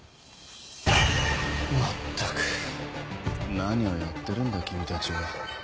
まったく何をやってるんだ君たちは。